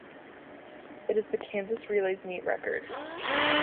It is the Kansas Relays meet record.